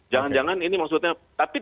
jangan jangan ini maksudnya tapi